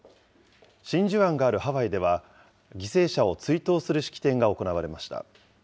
真珠湾があるハワイでは、犠牲者を追悼する式典が行われました。